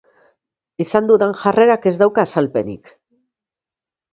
Izan dudan jarrerak ez dauka azalpenik.